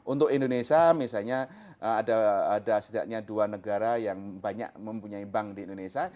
untuk indonesia misalnya ada setidaknya dua negara yang banyak mempunyai bank di indonesia